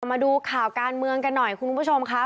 มาดูข่าวการเมืองกันหน่อยคุณผู้ชมค่ะ